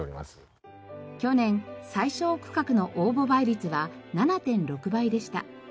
去年最小区画の応募倍率は７．６倍でした。